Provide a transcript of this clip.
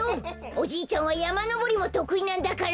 おじいちゃんはやまのぼりもとくいなんだから！